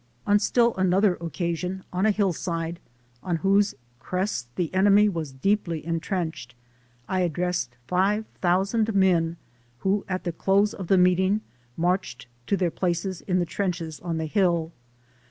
On still another occasion on a hillside, on whose crest the enemy was deeply entrenched, I addressed five thou sand men, who at the close of the meeting marched to their places in the trenches on the hill.